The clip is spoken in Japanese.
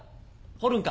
ホルンか？